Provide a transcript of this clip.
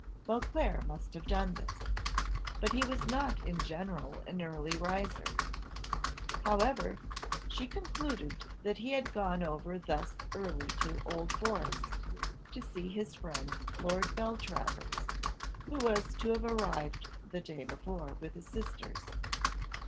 Beauclerc must have done this. But he was not in general an early riser. However, she concluded that he had gone over thus early to Old Forest, to see his friend Lord Beltravers, who was to have arrived the day before, with his sisters.